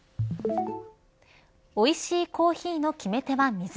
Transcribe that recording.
おいしいコーヒーの決め手は水。